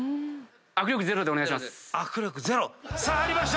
握力ゼロでお願いします。